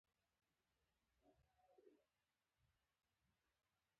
روژه د طاعت موسم دی.